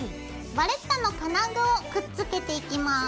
バレッタの金具をくっつけていきます。